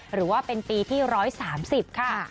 หรือว่าเป็นปีที่๑๓๐ค่ะ